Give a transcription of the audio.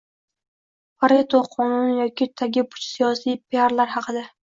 «Pareto qonuni» yoki tagi puch siyosiy piarlar haqida